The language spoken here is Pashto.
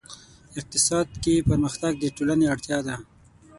اقتصاد کې پرمختګ د ټولنې اړتیا ده.